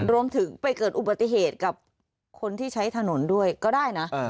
รวมไปถึงไปเกิดอุบัติเหตุกับคนที่ใช้ถนนด้วยก็ได้นะ